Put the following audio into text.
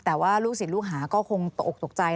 แต่ว่าลูกศิษย์ลูกหาก็คงตกออกตกใจ